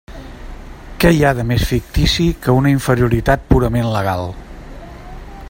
Què hi ha de més fictici que una inferioritat purament legal!